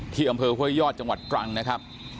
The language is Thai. อำเภอห้วยยอดจังหวัดตรังนะครับ